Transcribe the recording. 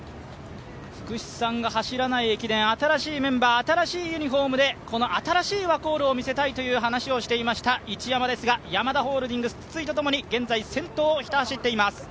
福士さんが走らない駅伝、新しいメンバー、新しいユニフォームで、新しいワコールを見せたいという話をしていました一山ですが、ヤマダホールディングス、筒井とともに先頭をひた走っています。